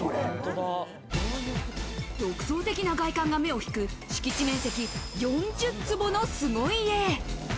独創的な外観が目を引く敷地面積４０坪の凄家。